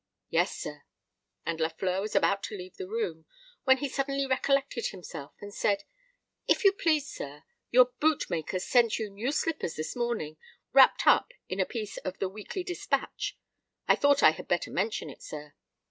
"Yes, sir;"—and Lafleur was about to leave the room, when he suddenly recollected himself, and said, "If you please, sir, your boot maker sent your new slippers this morning, wrapped up in a piece of the Weekly Dispatch. I thought I had better mention it, sir."